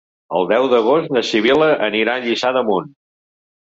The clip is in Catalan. El deu d'agost na Sibil·la anirà a Lliçà d'Amunt.